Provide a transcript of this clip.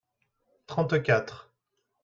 trente quatre.